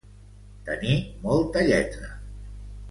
Tenir molta lletra.